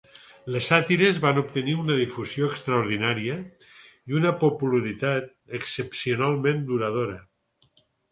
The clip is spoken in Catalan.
Les sàtires van obtenir una difusió extraordinària i una popularitat excepcionalment duradora.